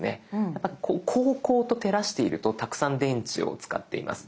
やっぱこうこうと照らしているとたくさん電池を使っています。